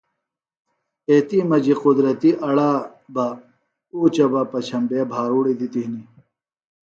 ایتی مجیۡ قدرتیۡ اڑا بہ اُوچہ بہ پچھمبے بھاروڑیۡ دِتیۡ ہنی